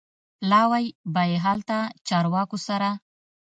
پلاوی به یې هلته چارواکو سره